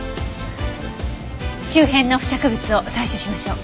周辺の付着物を採取しましょう。